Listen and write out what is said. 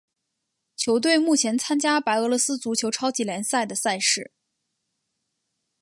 球队目前参加白俄罗斯足球超级联赛的赛事。